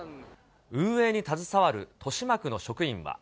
運営に携わる豊島区の職員は。